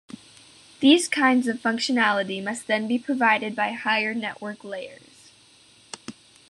These kinds of functionality must then be provided by higher network layers.